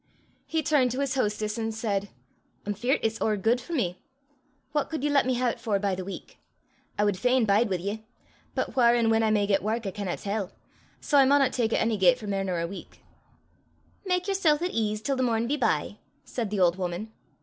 He turned to his hostess and said, "I'm feart it's ower guid for me. What could ye lat me hae 't for by the week? I wad fain bide wi' ye, but whaur an' whan I may get wark I canna tell; sae I maunna tak it ony gait for mair nor a week." "Mak yersel' at ease till the morn be by," said the old woman.